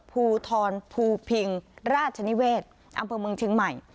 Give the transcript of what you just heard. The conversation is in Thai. ภูทรภูพิงราชนิเวศอำเภอเมืองเชียงใหม่